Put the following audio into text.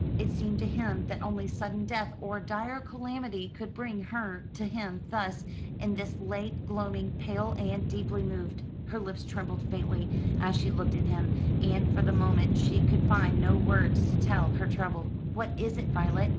It seemed to him, that only sudden death or dire calamity could bring her to him thus, in the late gloaming, pale, and deeply moved. Her lips trembled faintly as she looked at him, and for the moment she could find no words to tell her trouble. "What is it, Violet?"